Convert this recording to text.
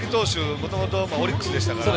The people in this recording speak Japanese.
もともとオリックスでしたから。